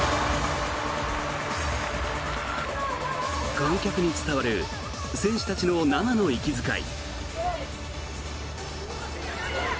観客に伝わる選手たちの生の息遣い。